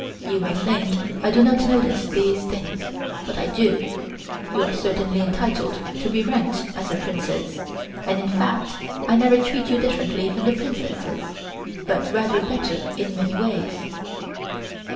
You may think I do not notice these things, but I do. You are certainly entitled to be ranked as a Princess, and in fact I never treat you different from the Princesses, but rather better in many ways."